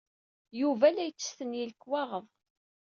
Yuba la yettestenyi lekwaɣeḍ.